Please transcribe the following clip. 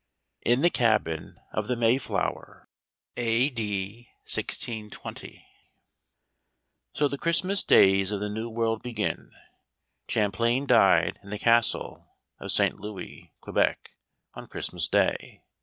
IN THE CABIN OF THE MAYFLOWER, A. D. 1620. O the Christmas Days of the New World begin. Champlain died in the Castle of St. Louis, Que bec, on Christmas Day.